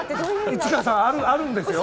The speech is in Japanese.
市川さんあるあるんですよ！